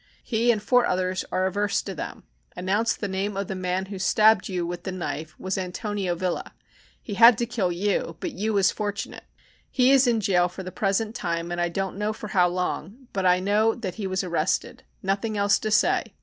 He and four others are averse to them. Announce the name of the man who stabbed you with the knife was Antonio Villa. He had to kill you, but you was fortunate. He is in jail for the present time and I don't know for how long, but I know that he was arrested. Nothing else to say.